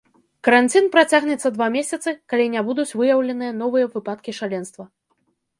Каранцін працягнецца два месяцы, калі не будуць выяўленыя новыя выпадкі шаленства.